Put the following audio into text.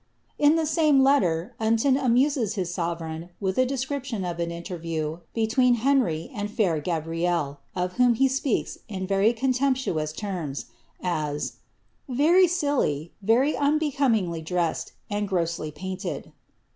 In the same letter, Unton amuses his sovereign with a description of an interview between Henry and the fair Gabrielle, of whom he speaks in very contemptuous terms, as " very silly, very unbecomingly dressed, and grossly painted."